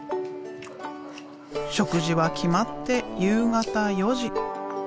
食事は決まって夕方４時。